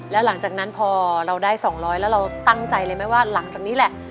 แล้วหลังจากนั้นพอเราได้๒๐๐แล้วเราตั้งใจเลยไหมว่าหลังจากนี้แหละ